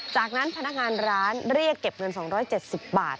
จากนั้นท่านการร้านรีกเก็บเงิน๒๗๐บาท